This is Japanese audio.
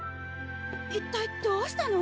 一体どうしたの？